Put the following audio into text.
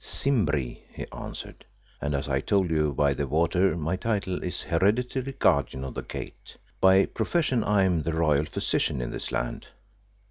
"Simbri," he answered, "and, as I told you by the water, my title is Hereditary Guardian of the Gate. By profession I am the royal Physician in this land."